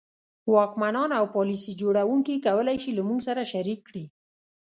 واکمنان او پالیسي جوړوونکي کولای شي له موږ سره شریک کړي.